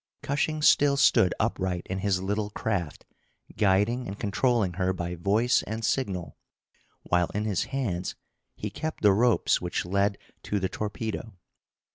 Cushing still stood upright in his little craft, guiding and controlling her by voice and signal, while in his hands he kept the ropes which led to the torpedo.